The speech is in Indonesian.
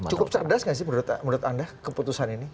cukup cerdas nggak sih menurut anda keputusan ini